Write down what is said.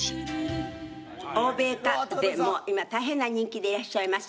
「欧米か！」でもう今大変な人気でいらっしゃいます